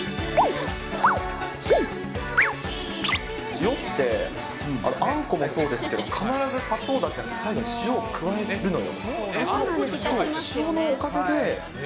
塩って、あんこもそうですけど、必ず砂糖だけじゃなくて、最後は塩を加えるのよ。